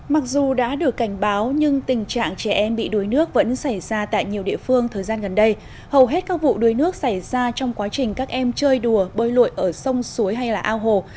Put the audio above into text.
mặc dù đã được cảnh báo nhưng tình trạng trẻ em bị đuối nước vẫn xảy ra tại nhiều địa phương thời gian gần đây hầu hết các vụ đuối nước xảy ra trong quá trình các em chơi đùa bơi lội ở sông suối hay là ao hồ